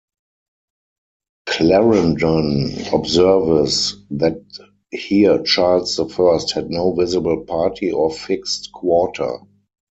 Clarendon observes that here Charles the First had no visible party or fixed quarter.